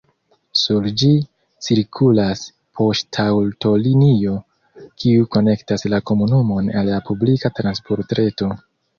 Sur ĝi cirkulas poŝtaŭtolinio, kiu konektas la komunumon al la publika transportreto.